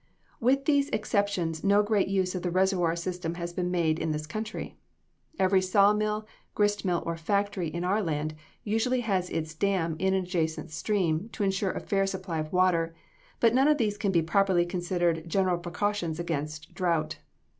With these exceptions no great use of the reservoir system has been made in this country. Every saw mill, grist mill or factory in our land usually has its dam in an adjacent stream to insure a fair supply of water: but none of these can be properly considered general precautions against drought.